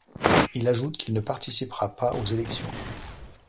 Il ajoute qu'il ne participera pas aux élections.